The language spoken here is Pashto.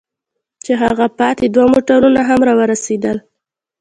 چې هغه پاتې دوه موټرونه هم را ورسېدل.